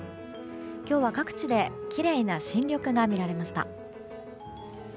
今日は各地できれいな新緑が見られました。